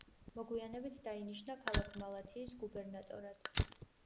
მოგვიანებით დაინიშნა ქალაქ მალათიის გუბერნატორად.